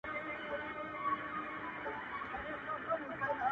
ده څومره ارزاني’ ستا په لمن کي جانانه’